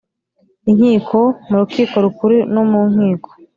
inkiko mu Rukiko Rukuru no mu Nkiko